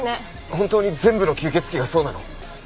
本当に全部の吸血鬼がそうなの？